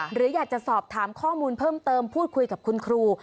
หรืออยากจะสอบถามข้อมูลเพิ่มเติมพูดคุยกับคุณครู